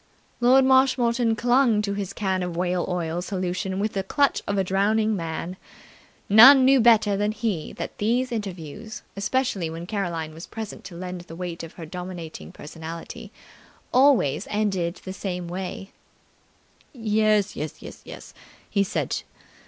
Lord Marshmoreton clung to his can of whale oil solution with the clutch of a drowning man. None knew better than he that these interviews, especially when Caroline was present to lend the weight of her dominating personality, always ended in the same way. "Yes, yes, yes!" he said.